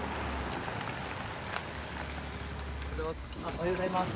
おはようございます。